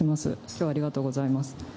きょうはありがとうございます。